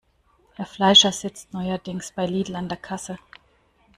Herr Fleischer sitzt neuerdings bei Lidl an der Kasse.